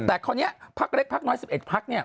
แต่คราวนี้พักเล็กพักน้อย๑๑พักเนี่ย